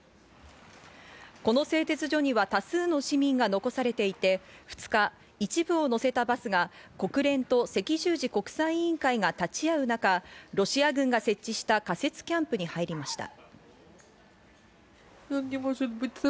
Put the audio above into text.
この製鉄所には多数の市民が残されていて、２日、一部を乗せたバスが国連と赤十字国際委員会が立ち会う中、ロシア軍が設置した仮設キャンプに入りました。